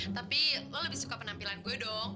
tapi lo lebih suka penampilan gue dong